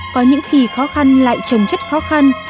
có những khi khó khăn lại trồng chất khó khăn